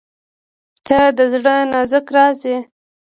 • ته د زړه نازک راز یې.